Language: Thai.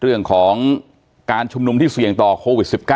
เรื่องของการชุมนุมที่เสี่ยงต่อโควิด๑๙